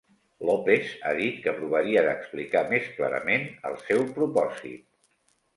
López ha dit que provaria d'explicar més clarament el seu propòsit.